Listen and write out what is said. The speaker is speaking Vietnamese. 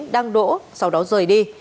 đang đỗ sau đó rời đi